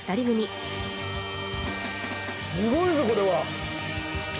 すごいぞこれは！